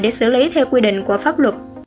để xử lý theo quy định của pháp luật